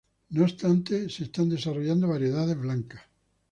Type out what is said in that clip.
No obstante, se están desarrollando variedades blancas